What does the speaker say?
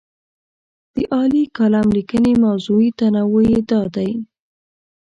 د عالي کالم لیکنې موضوعي تنوع یې دا دی.